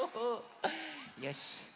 よし。